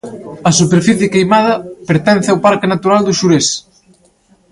A superficie queimada pertence ao parque natural do Xurés.